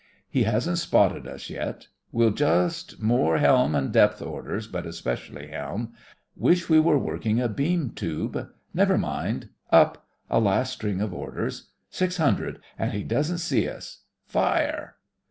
He hasn't spotted us yet. We'll ju ust — (more helm and depth orders, but specially helm) — 'Wish we were working a beam tube. Ne'er mind! Up! (A last string of orders.) Six hundred, and he doesn't see us! Fire!"